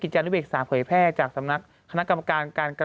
มีกิจารณ์ด้วยเขยแพร่จากสำนักคณะกรรมการ